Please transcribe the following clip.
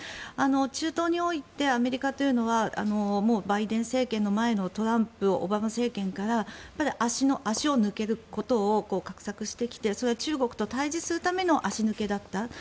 中東においてアメリカというのはバイデン政権の前のトランプ・オバマ政権から足を抜けることを画策してきてそれは中国と対峙するための足抜けだった。